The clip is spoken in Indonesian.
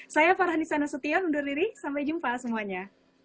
saya farhanisana setia undur diri sampai jumpa semuanya